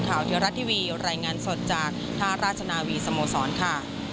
เทวรัฐทีวีรายงานสดจากท่าราชนาวีสโมสรค่ะ